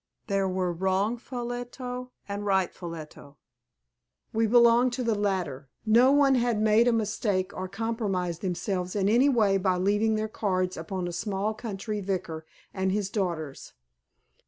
There were wrong Ffolliots and right Ffolliots. We belonged to the latter. No one had made a mistake or compromised themselves in any way by leaving their cards upon a small country vicar and his daughters.